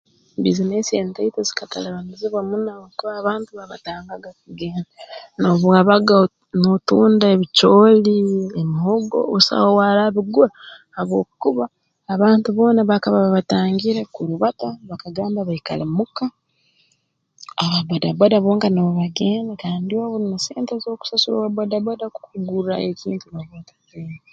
Bbiizinesi entaito zikatalibanizibwa muno habwokuba abantu baabatangaga kugenda noobu wabaga nootunda ebicooli emihogo busaho awaarabigura habwokuba abantu boona bakaba babatangire kurubata bakagamba baikale mu ka ababoda boda bonka nubo bagenda kandi obu na sente z'okusasura owa boda boda kukugurraayo ekintu nooba otaziine